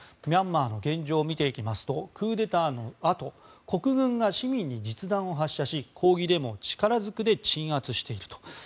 ミャンマーの現状を見ていきますとクーデターのあと国軍が市民に実弾を発射し抗議デモを力ずくで鎮圧していると。